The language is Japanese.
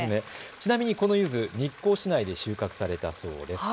ちなみにこのゆず、日光市内で収穫されたそうです。